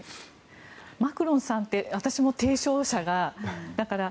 マクロンさんって私も提唱者が。